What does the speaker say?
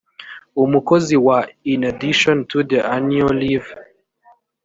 umukozi wa in addition to the annual leave